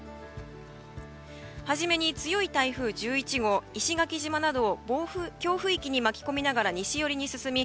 初めに、強い台風１１号石垣島などを強風域に巻き込みながら西寄りに進み